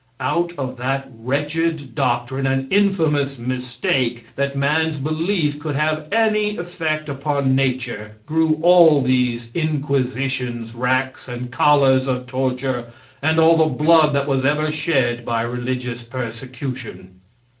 Out of that wretched doctrine and infamous mistake that man's belief could have any effect upon nature grew all these inquisitions, racks and collars of torture, and all the blood that was ever shed by religious persecution.